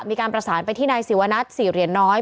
มีการประสานไปที่นายศิวนัท๔เหรียญน้อย